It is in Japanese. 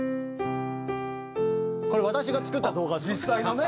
「これ私が作った動画ですね」